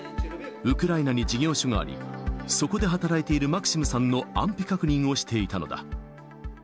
ウクライナに事業所があり、そこで働いているマクシムさんの安否確認をしていたのだ。